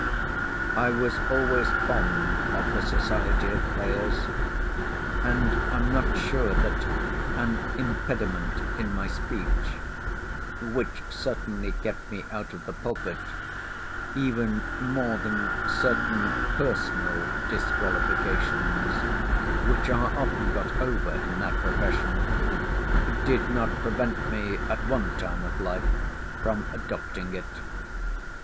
I was always fond of the society of players, and am not sure that an impediment in my speech (which certainly kept me out of the pulpit) even more than certain personal disqualifications, which are often got over in that profession, did not prevent me at one time of life from adopting it.